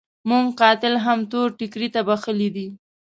موږ قاتل هم تور ټکري ته بخښلی دی.